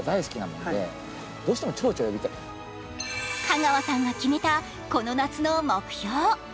香川さんが決めたこの夏の目標。